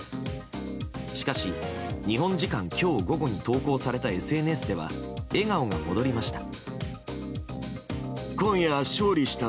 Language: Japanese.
しかし日本時間今日午後に投稿されたＳＮＳでは笑顔が戻りました。